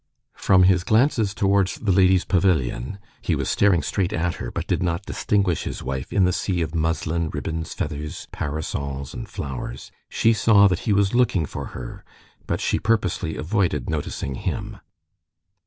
From his glances towards the ladies' pavilion (he was staring straight at her, but did not distinguish his wife in the sea of muslin, ribbons, feathers, parasols and flowers) she saw that he was looking for her, but she purposely avoided noticing him.